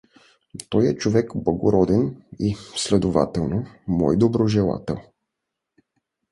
Той е човек благороден и, следователно, мой доброжелател.